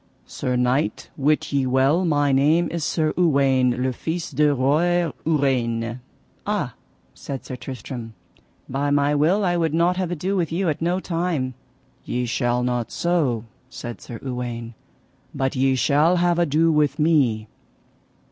Sir knight, wit ye well my name is Sir Uwaine le Fise de Roy Ureine. Ah, said Sir Tristram, by my will I would not have ado with you at no time. Ye shall not so, said Sir Uwaine, but ye shall have ado with me.